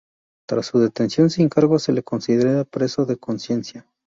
Tras su detención sin cargos se le considera preso de conciencia.